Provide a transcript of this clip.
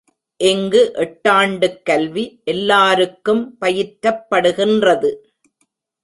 இங்கு எட்டாண்டுக்கல்வி எல்லாருக்கும் பயிற்றப்படுகின்றது.